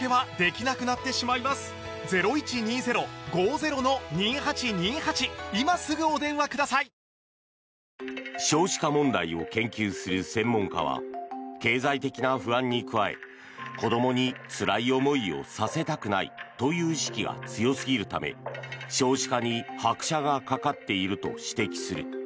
このまま少子化が進んでいけば少子化問題を研究する専門家は経済的な不安に加え子どもにつらい思いをさせたくないという意識が強すぎるため少子化に拍車がかかっていると指摘する。